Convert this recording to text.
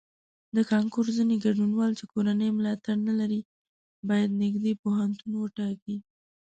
د کانکور ځینې ګډونوال چې کورنی ملاتړ نه لري باید نږدې پوهنتون وټاکي.